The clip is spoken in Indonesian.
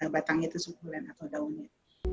batang itu sukulen atau daunnya